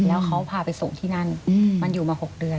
แล้วเขาพาไปส่งที่นั่นมันอยู่มา๖เดือน